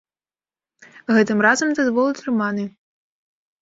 Гэтым разам дазвол атрыманы.